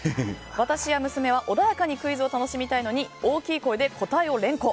私や娘は穏やかにクイズを楽しみたいのに大きい声で答えを連呼。